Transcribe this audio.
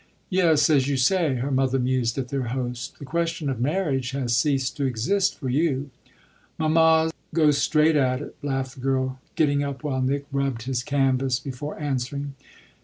"Yes, as you say," her mother mused at their host, "the question of marriage has ceased to exist for you." "Mamma goes straight at it!" laughed the girl, getting up while Nick rubbed his canvas before answering.